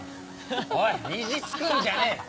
おい虹つくんじゃねえ！